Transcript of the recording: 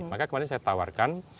maka kemarin saya tawarkan